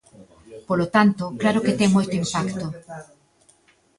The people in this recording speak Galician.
Polo tanto, claro que ten moito impacto.